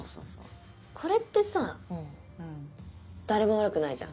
これってさ誰も悪くないじゃん。